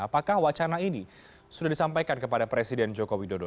apakah wacana ini sudah disampaikan kepada presiden joko widodo